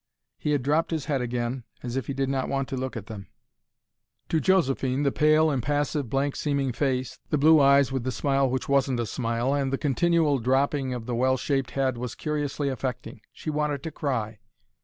He had dropped his head again, as if he did not want to look at them. To Josephine, the pale, impassive, blank seeming face, the blue eyes with the smile which wasn't a smile, and the continual dropping of the well shaped head was curiously affecting. She wanted to cry.